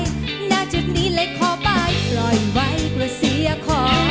หน้าจุดนี้เลยขอไปปล่อยไว้เพื่อเสียขอ